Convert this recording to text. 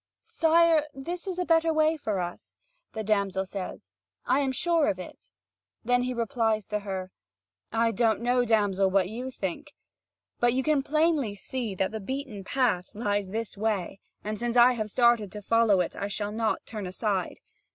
"Sire, this is a better way for us," the damsel says, "I am sure of it." Then he replies to her: "I don't know, damsel, what you think; but you can plainly see that the beaten path lies this way; and since I have started to follow it, I shall not turn aside.